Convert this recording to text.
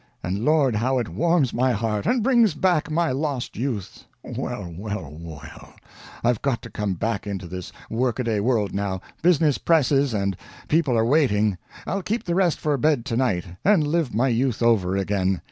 and lord, how it warms my heart, and brings back my lost youth! Well, well, well, I've got to come back into this work a day world now business presses and people are waiting I'll keep the rest for bed to night, and live my youth over again.